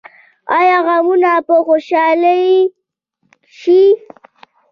آیا غمونه به خوشحالي شي؟